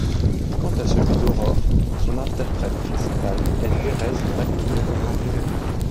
Quant à celui d'Aurore, son interprète principale est Thérèse McKinnon.